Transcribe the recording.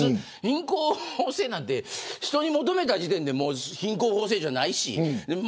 品行方正なんて人に求めた時点で品行方正じゃないし。